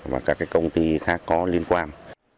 và các công ty khác có liên quan